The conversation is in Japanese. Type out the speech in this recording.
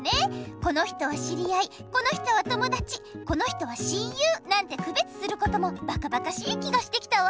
この人は知り合いこの人は友だちこの人は親友なんてくべつすることもばかばかしい気がしてきたわ。